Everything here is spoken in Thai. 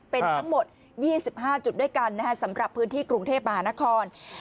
เป็นทั้งหมด๒๕จุดด้วยกันสำหรับพื้นที่กรุงเทพมหานคร